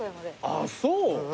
あっそう。